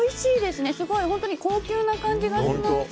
すごい本当に高級な感じがします。